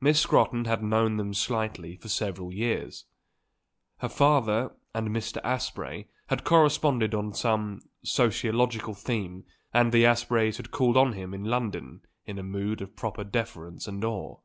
Miss Scrotton had known them slightly for several years; her father and Mr. Asprey had corresponded on some sociological theme and the Aspreys had called on him in London in a mood of proper deference and awe.